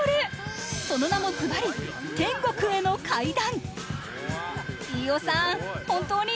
その名もずばり「天国への階段」。